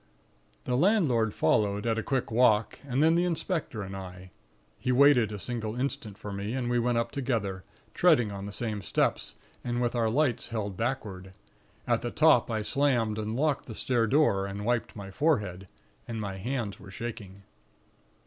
"The landlord followed, at a quick walk, and then the inspector and I. He waited a single instant for me, and we went up together, treading on the same steps, and with our lights held backward. At the top, I slammed and locked the stair door, and wiped my forehead, and my hands were shaking.